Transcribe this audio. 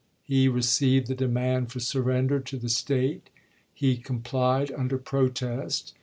He received the demand for surrender to the State ; he complied under protest.